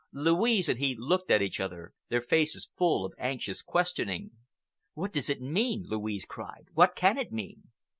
Louise and he looked at each other, their faces full of anxious questioning. "What does it mean?" Louise cried. "What can it mean?"